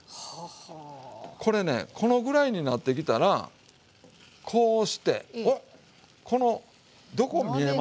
これねこのぐらいになってきたらこうしてこのどこ見えます？